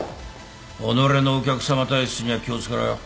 己のお客さま体質には気を付けろよ。